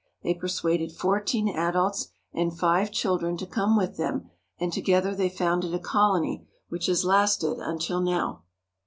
They per suaded fourteen adults and five children to come with them, and together they founded a colony which has lasted until now.